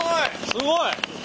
すごい！